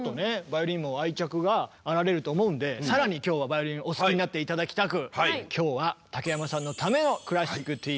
バイオリンにも愛着があられると思うんで更に今日はバイオリンお好きになって頂きたく今日は竹山さんのための「クラシックＴＶ」でございます。